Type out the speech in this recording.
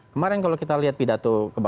kemarin kalau kita lihat pidato